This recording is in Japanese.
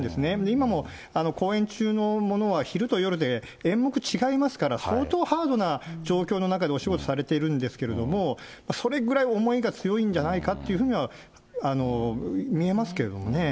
今も公演中のものは昼と夜で演目違いますから、相当ハードな状況の中でお仕事されてるんですけれども、それぐらい、思いが強いんじゃないかというふうには見えますけれどもね。